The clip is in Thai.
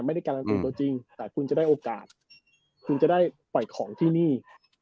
ไม่ได้การันตีตัวจริงแต่คุณจะได้โอกาสคุณจะได้ปล่อยของที่นี่